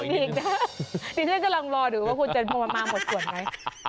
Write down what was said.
นี่ฉันกำลังรอดูว่าคุณจะมาหมดส่วนไหม